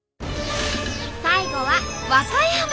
最後は和歌山。